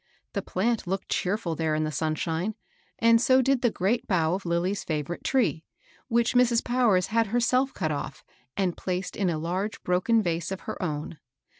The plant looked cheerfiil there in the sunshine, and so did the great bough of Lilly's favorite tree, which Mrs. Powers had herself cut off and placed in a large broken vase of her own.